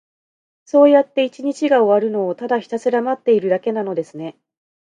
そうやって一日が終わるのを、ただひたすら待っているだけなのですね。